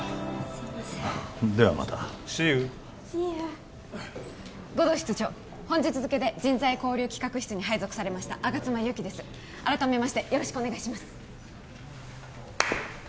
すいませんではまたシーユーシーユー護道室長本日付で人材交流企画室に配属されました吾妻ゆうきです改めましてよろしくお願いします